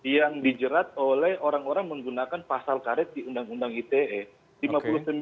yang dijerat oleh orang orang menggunakan pasal karet di undang undang ite